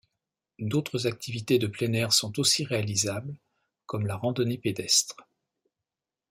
D'autres activités de plein air sont aussi réalisables comme la randonnée pédestre.